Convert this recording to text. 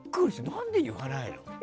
何で言わないの？